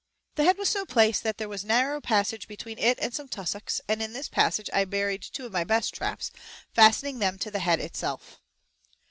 The head was so placed that there was a narrow passage between it and some tussocks, and in this passage I buried two of my best traps, fastening them to the head itself.